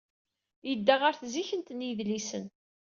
Yedda ɣer tzikkent n yidlisen.